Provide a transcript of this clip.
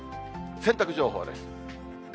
洗濯情報です。